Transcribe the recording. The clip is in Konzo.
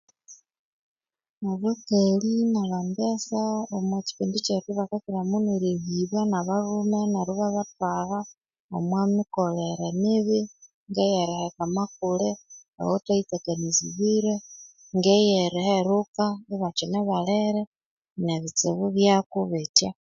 Abakali nabambesa omwa kipindi kyaghe bakakyiramuno erthahibwa nablhume neryo ibabathwalha omwa mikolere mibi ngeyerheka amakule aghobathayittekanizirye ngeyeriheruka ibakine balere nebitsibu byako bitya